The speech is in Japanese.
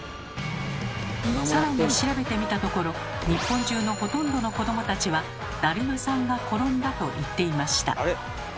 さらに調べてみたところ日本中のほとんどの子どもたちは「だるまさんがころんだ」と言っていました。